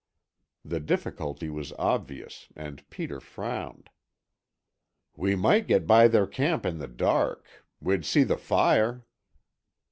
The difficulty was obvious and Peter frowned. "We might get by their camp in the dark. We'd see the fire."